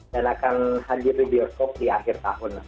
dan akan hadir di bioskop di akhir tahun